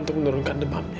untuk menurunkan demamnya